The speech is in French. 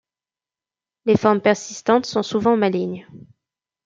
Les formes persistantes sont souvent malignes.